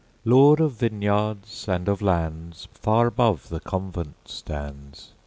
Lord of vineyards and of lands, Far above the convent stands.